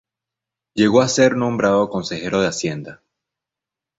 Llegó a ser nombrado consejero de Hacienda.